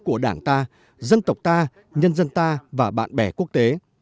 của đảng ta dân tộc ta nhân dân ta và bạn bè quốc tế